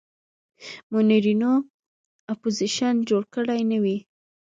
منورینو اپوزیشن جوړ کړی نه وي.